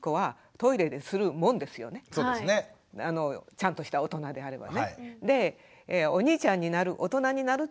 ちゃんとした大人であればね。